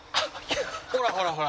ほらほらほら。